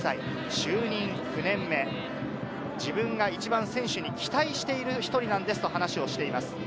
就任９年目、自分が一番選手に期待している１人なんですと話をしています。